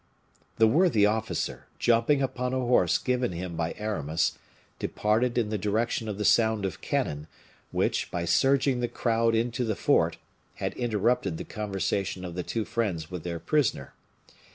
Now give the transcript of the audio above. The worthy officer, jumping upon a horse given him by Aramis, departed in the direction of the sound of cannon, which, by surging the crowd into the fort, had interrupted the conversation of the two friends with their prisoner.